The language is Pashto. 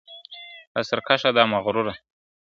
دا سرکښه دا مغروره ,